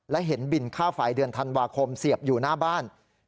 และเห็นบินค่าไฟเดือนธันวาคมเสียบอยู่หน้าบ้าน